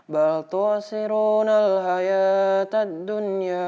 bantu wasiruna alhayata'l dunya